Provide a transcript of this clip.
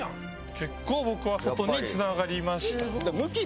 結構僕は外に繋がりました。